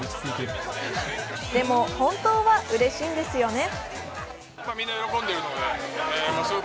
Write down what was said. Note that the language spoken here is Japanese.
でも、本当はうれしいんですよね？